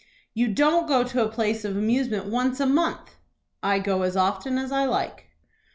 "You don't go to a place of amusement once a month." "I go as often as I like."